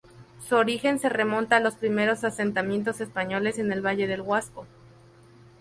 Su origen se remonta a los primeros asentamientos españoles en el valle del Huasco.